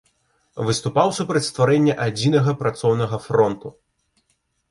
Выступаў супраць стварэння адзінага працоўнага фронту.